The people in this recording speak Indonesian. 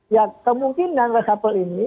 ya kemungkinan reshuffle ini